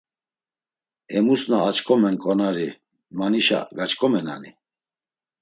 Emus na aç̆k̆omen k̆onari manişa gaç̆k̆omenani?